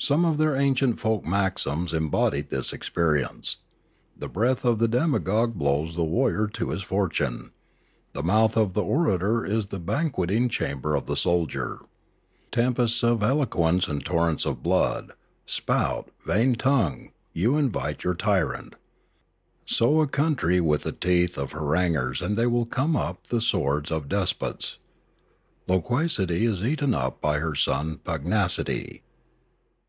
Some of their ancient folk maxims embodied this experience: The breath of the demagogue blows the warrior to his fortune; The mouth of the orator is the banqueting chamber of the soldier; Tempests of eloquence and torrents of blood; Spout, vain tongue, you invite your tyrant; Sow a country with the teeth of haranguers and they will come up the swords of despots; Loquacity is eaten up by her son pugnacity.